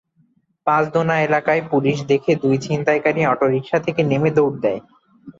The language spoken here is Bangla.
পাঁচদোনা এলাকায় পুলিশ দেখে দুই ছিনতাইকারী অটোরিকশা থেকে নেমে দৌড় দেয়।